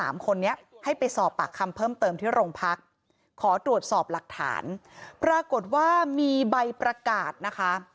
มีใบประกาศนะคะ